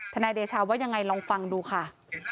นายเดชาว่ายังไงลองฟังดูค่ะ